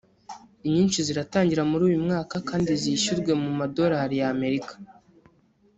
inyinshi ziratangira muri uyu mwaka kandi zishyurwe mu madolari ya Amerika